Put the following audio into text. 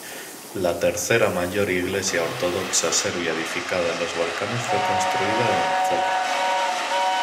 La tercera mayor iglesia ortodoxa serbia edificada en los Balcanes fue construida en Foča.